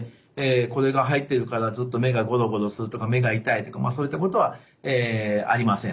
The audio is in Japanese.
これが入ってるからずっと目がゴロゴロするとか目が痛いとかそういったことはありません。